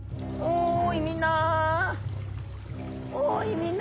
おいみんな。